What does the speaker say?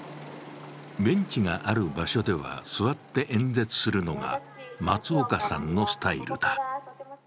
ベンチがある場所では座って演説するのが松岡さんのスタイルだ。